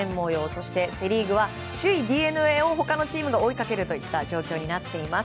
そしてセ・リーグは首位ＤｅＮＡを他のチームが追いかける状況になっています。